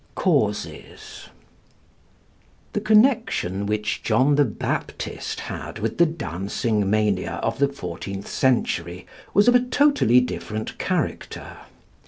3 CAUSES The connection which John the Baptist had with the Dancing Mania of the fourteenth century was of a totally different character.